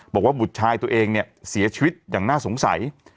บุตรชายตัวเองเนี่ยเสียชีวิตอย่างน่าสงสัย